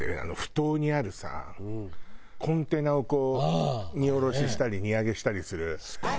埠頭にあるさコンテナをこう荷下ろししたり荷上げしたりする。